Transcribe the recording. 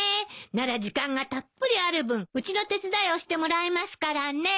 なら時間がたっぷりある分うちの手伝いをしてもらいますからね。